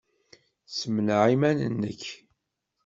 Ssemneɛ iman-nnek!